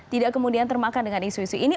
tidak kemudian termakan dengan isu isu ini